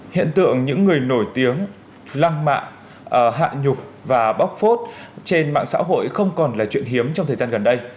hiện tượng những người nổi tiếng lăng mạ hạ nhục và bóc phốt trên mạng xã hội không còn là chuyện hiếm trong thời gian gần đây